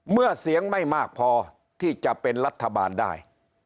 เมื่อเสียงไม่มากพอที่จะเป็นรัฐบาลได้